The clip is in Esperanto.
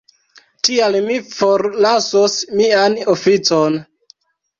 Tial mi forlasos mian oficon.